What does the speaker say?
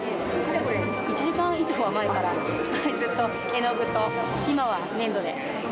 １時間以上前から、ずっと絵の具と、今は粘土で。